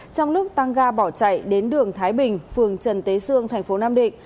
trong lúc tăng ga bỏ chạy đến đường thái bình phường trần tế sương thành phố nam định